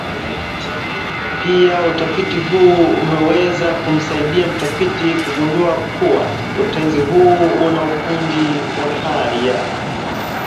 Pia utafiti huu umeweza kumsaidia mtafiti kugundua kuwa utenzi huu una ufundi wa hali ya